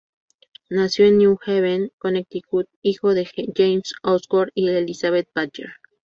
Nació en New Haven, Connecticut, hijo de James Osgood y Elizabeth Badger.